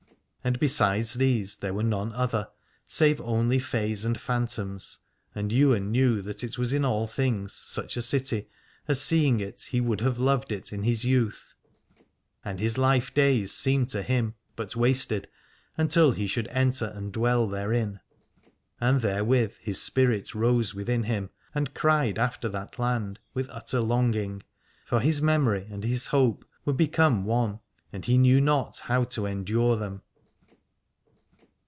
And besides these there were none other, save only fays and phantoms: and Ywain knew that it was in all things such a city as seeing it he would have loved it in his youth, and his life days seemed to him but wasted until he should enter and dwell therein. And therewith his spirit rose within him and cried after that land with utter longing, for his memory and his hope were become one, and he knew not how to endure them.